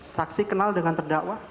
saksi kenal dengan terdakwa